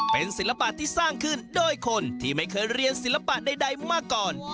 เป็นศิลปะที่สร้างขึ้นโดยคนที่ไม่เคยเรียนศิลปะใดมาก่อน